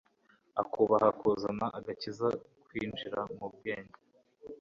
Ukubaha kuzana agakiza kwinjira mu bwenge,